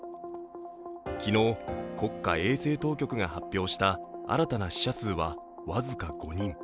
昨日、国家衛生当局が発表した新たな死者数は僅か５人。